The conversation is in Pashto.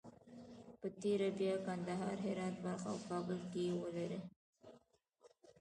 په تېره بیا کندهار، هرات، بلخ او کابل کې یې ولري.